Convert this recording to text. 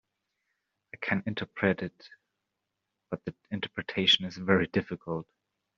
I can interpret it, but the interpretation is very difficult.